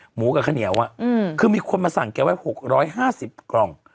หมูกับขะเหนียวอ่ะคือมีคนมาสั่งแกว่า๖๕๐กล่อง